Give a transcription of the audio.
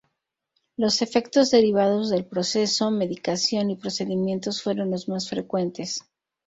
Los efectos derivados del proceso, medicación y procedimientos fueron los más frecuentes.